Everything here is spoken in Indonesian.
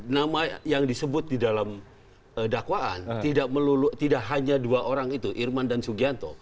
nama yang disebut di dalam dakwaan tidak meluluk tidak hanya dua orang itu irman dan sugianto